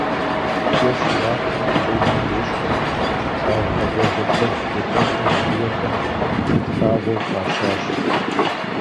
Жэщ уафэм гъуэгум ещхьу щыплъагъу вагъуэбэ куэд зэхэтым адыгэхэм Шыхулъагъуэ фӀащащ.